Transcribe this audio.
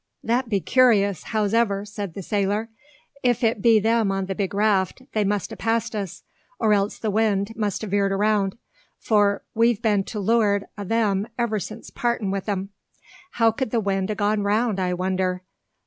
"That be curious, hows'ever," said the sailor. "If't be them on the big raft they must a passed us, or else the wind must a veered round, for we've been to leuart o' them ever since partin' wi' 'em. Could the wind a gone round I wonder?